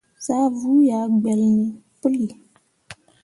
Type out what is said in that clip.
Zah vuu ah gbelle puli.